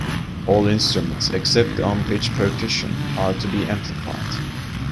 All instruments except the unpitched percussion are to be amplified.